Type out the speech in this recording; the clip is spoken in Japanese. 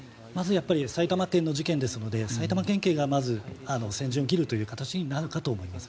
埼玉県の事件ですのでまず埼玉県警が先陣を切る形になるかと思います。